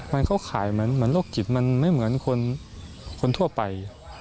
มันเขาขายเหมือนโรคจิตมันไม่เหมือนคนทั่วไป